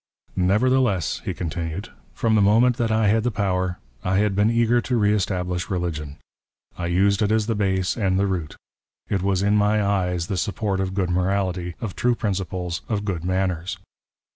"Nevertheless," he continued, ''from the moment that I " had the power, I had been eager to re establish religion. " I used it as the base and the root. It was in my eyes the " support of good morality, of tiue principles, of good manners."